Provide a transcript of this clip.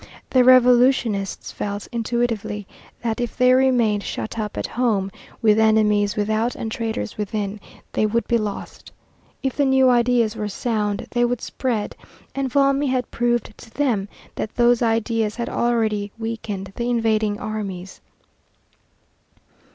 The Revolutionists felt intuitively that, if they remained shut up at home, with enemies without and traitors within, they would be lost. If the new ideas were sound they would spread, and Valmy had proved to them that those ideas had already weakened the invading armies.